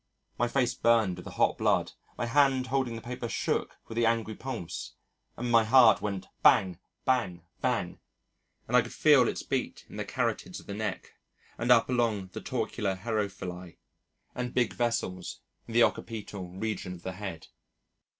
My face burned with the hot blood, my hand holding the paper shook with the angry pulse, and my heart went bang! bang! bang! and I could feel its beat in the carotids of the neck and up along the Torcular herophili and big vessels in the occipital region of the head.